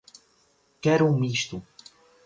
Quero um misto